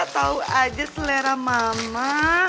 tau aja selera mama